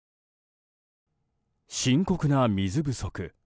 深刻な水不足。